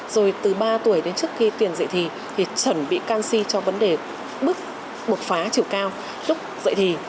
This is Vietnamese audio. rồi từ ba tuổi đến trước khi tuyển dạy thì thì chuẩn bị canxi cho vấn đề bước bột phá chiều cao lúc dạy thì